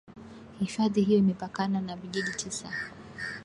Hifadhi hiyo imepakana na vijiji tisa